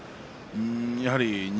やはり錦